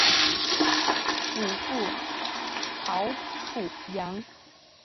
祖父曹楚阳。